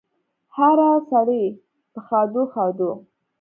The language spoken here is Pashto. هره سړی په ښادو، ښادو